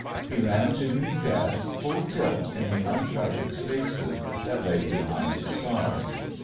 He ran to meet Death full tilt in the uncharted spaces that lay behind the stars.